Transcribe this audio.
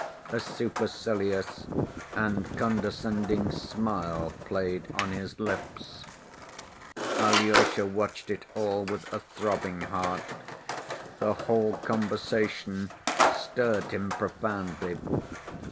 A supercilious and condescending smile played on his lips. Alyosha watched it all with a throbbing heart. The whole conversation stirred him profoundly.